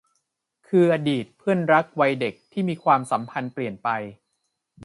คืออดีตเพื่อนรักวัยเด็กที่ความสัมพันธ์เปลี่ยนไป